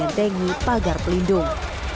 dibentengi pagar pelindung